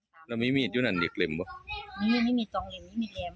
จะมีหรือเปลี่ยนบ้างกี๊เจ๋ย